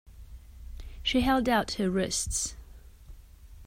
She held out her wrists.